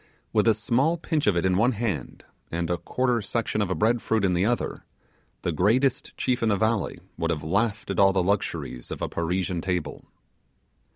With a small pinch of it in one hand, and a quarter section of a bread fruit in the other, the greatest chief in the valley would have laughed at all luxuries of a Parisian table.